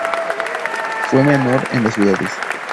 Fue menor en las ciudades.